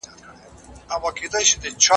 ستا افکار څومره لوړ دي؟